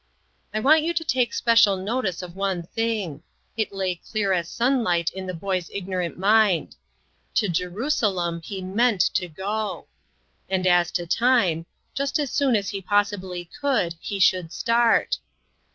I want you to take special notice of one thing. It lay clear as BUD IN SEARCH OF COMFORT. 2/7 sunlight in the boy's ignorant mind. To Je rusalem he meant to go. And as to time : just as soon as he possibly could, he should start.